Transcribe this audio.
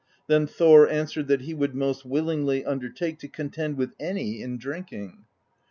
Then Thor answered that he would most willingly undertake to con tend with any in drinking.